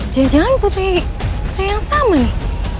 jangan jangan putri yang sama nih